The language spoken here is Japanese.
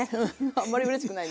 あんまりうれしくないね。